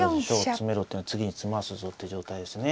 詰めろっていうのは次に詰ますぞって状態ですね。